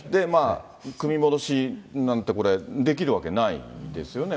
組み戻しなんて、これ、できるわけないんですよね。